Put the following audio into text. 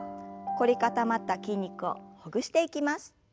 凝り固まった筋肉をほぐしていきます。